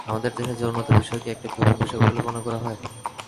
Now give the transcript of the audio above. আমাদের দেশে যৌনতা বিষয়কে একটা গোপন বিষয় বলে মনে করা হয়।